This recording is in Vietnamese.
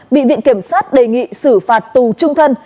bị viện kiểm sát đề nghị xử phạt tù trung thân